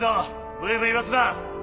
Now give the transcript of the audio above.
ブイブイ言わすな。